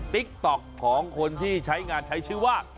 ติ๊กต๊อกของคนที่ใช้งานใช้ชื่อว่า